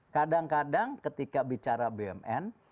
kadang kadang ketika bicara bumn